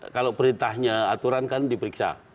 kalau perintahnya aturan kan diperiksa